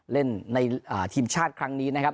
เล่นในทีมชาติครั้งนี้นะครับ